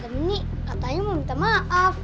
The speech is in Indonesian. menik katanya mau minta maaf